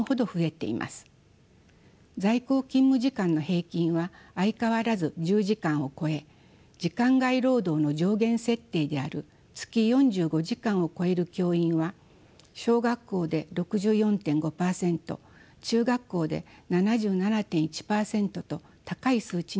在校勤務時間の平均は相変わらず１０時間を超え時間外労働の上限設定である月４５時間を超える教員は小学校で６４．５％中学校で７７．１％と高い数値になっています。